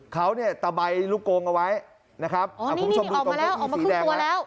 เขาเนี่ยตะใบลูกกงเอาไว้นะครับอ๋อนี่ออกมาแล้วออกมาครึ่งตัวแล้ว